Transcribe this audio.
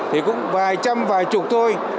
thì cũng vài trăm vài chục thôi